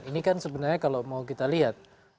ini kan sebenarnya kalau mau kita lihat